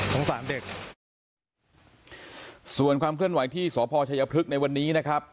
สารเด็กส่วนความเคลื่อนไหวที่สพชัยพฤกษ์ในวันนี้นะครับ